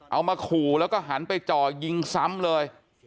เอามาขู่แล้วก็หันไปจ่อยิงซ้ำเลย